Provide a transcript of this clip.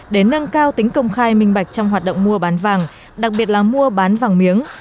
để nâng cao tính công khai minh bạch trong hoạt động mua bán vàng đặc biệt là mua bán vàng miếng